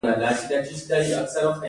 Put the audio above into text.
په همدې سبب د انسان کاري ځواک ډیر مهم دی.